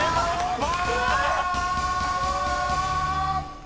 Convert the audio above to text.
うわ！